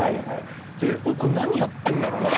俺これ何やってんだろうな。